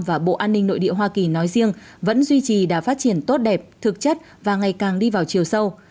và bộ an ninh nội địa hoa kỳ nói riêng vẫn duy trì đã phát triển tốt đẹp thực chất và ngày càng đi vào chiều sâu